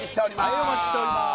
はいお待ちしております